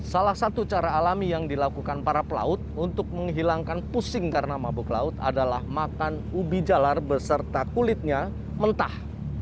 salah satu cara alami yang dilakukan para pelaut untuk menghilangkan pusing karena mabuk laut adalah makan ubi jalar beserta kulitnya mentah